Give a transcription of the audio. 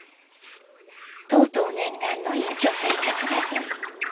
「とうとう念願の隠居生活だぞい」